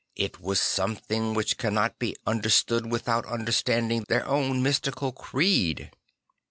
It was something which cannot be understood without understanding their own mystical creed.